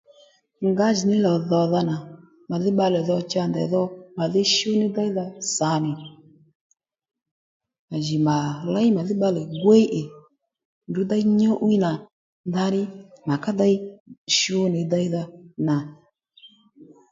Ngǎjìní lò dhodha nà màdhí bbalè dho cha ndèydho màdhí shú ní déydha sànì à jì mà léy màdhí bbalè gwíy ì ndrǔ déy nyu'wiy nà ndaní mà ka dey shú nì déydha na